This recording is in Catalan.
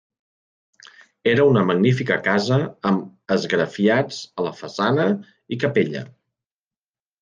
Era una magnífica casa amb esgrafiats a la façana i capella.